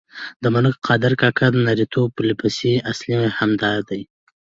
د ملک قادر کاکا د نارینتوب فلسفې اصل هم دادی.